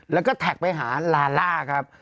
แล้วก็แท็กไปหาลาล่าครับ